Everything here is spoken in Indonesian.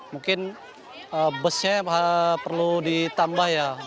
mungkin busnya perlu ditambah ya